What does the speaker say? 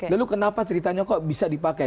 lalu kenapa ceritanya kok bisa dipakai